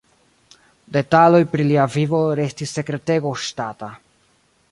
Detaloj pri lia vivo restis sekretego ŝtata.